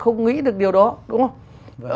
không nghĩ được điều đó đúng không